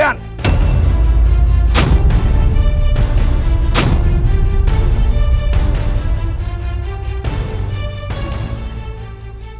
yang sekarang akan menjadi penguasa kalian